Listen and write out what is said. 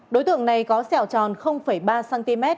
đối tượng này có xẻo tròn ba cm